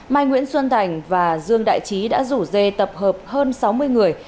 mai nguyễn xuân thành và dương đại trí đã rủ dê tập hợp hơn sáu mươi người